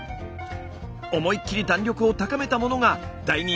思いっきり弾力を高めたものが大人気のグミ！